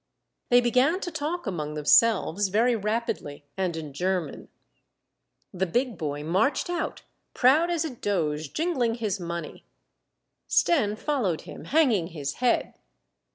They began to talk among themselves very rapidly, and in German. The big boy marched out, proud as a doge, jingling his money. Stenne followed him, hanging his head.